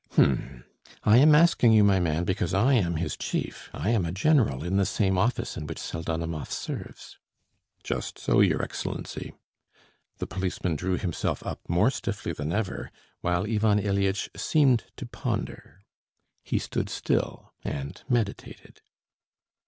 "H'm! I am asking you, my man, because I am his chief. I am a general in the same office in which Pseldonimov serves." "Just so, your Excellency." The policeman drew himself up more stiffly than ever, while Ivan Ilyitch seemed to ponder. He stood still and meditated....